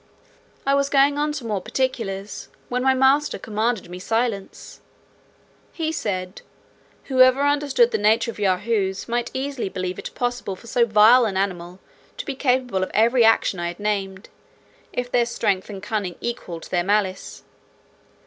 I was going on to more particulars, when my master commanded me silence. He said, "whoever understood the nature of Yahoos, might easily believe it possible for so vile an animal to be capable of every action I had named, if their strength and cunning equalled their malice.